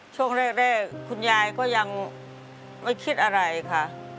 ช่วงแรกคุณยายก็ยังไม่คิดอะไรค่ะ